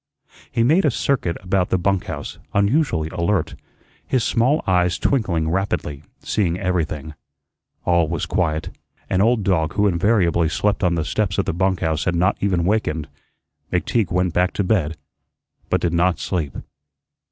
He made a circuit about the bunk house, unusually alert, his small eyes twinkling rapidly, seeing everything. All was quiet. An old dog who invariably slept on the steps of the bunk house had not even wakened. McTeague went back to bed, but did not sleep.